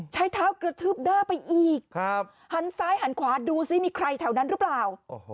ใช้เท้ากระทืบหน้าไปอีกหันซ้ายหันขวาดูซิมีใครแถวนั้นหรือเปล่า